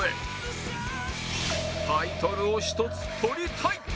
タイトルを１つ取りたい